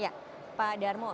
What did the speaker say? ya pak darmo